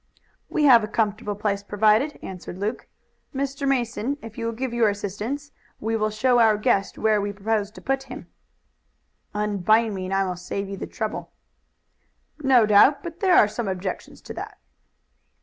"We have a comfortable place provided," answered Luke. "Mr. Mason, if you will give your assistance, we will show our guest where we propose to put him." "Unbind me and I will save you the trouble." "No doubt; but there are some objections to that."